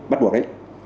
bắt buộc đấy